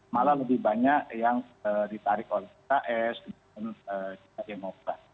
malah lebih banyak yang ditarik oleh ps bum dan demokrasi